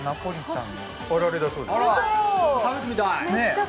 食べてみたい。